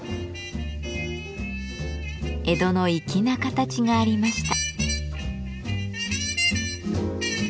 江戸の粋な形がありました。